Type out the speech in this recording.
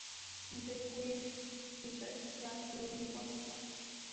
ان میں سے کوئی بھِی شخص بیان کے لیے نہیں پہنچ سکا